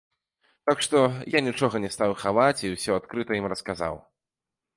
Так што я нічога не стаў хаваць і ўсё адкрыта ім расказаў.